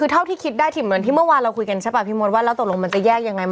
เออเผาที่คิดนายถือเหมือนที่เมื่อไม่นะพี่มธ์คือแล้วล่ะตรงนั้นจะแยกยังไง